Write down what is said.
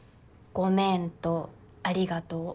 ごめんとありがとう。